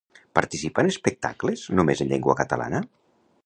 Participa en espectacles només en llengua catalana?